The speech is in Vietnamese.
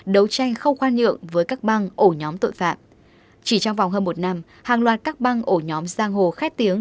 đấu tranh không khoan nhượng với các băng ổ nhóm tội phạm chỉ trong vòng hơn một năm hàng loạt các băng ổ nhóm giang hồ khét tiếng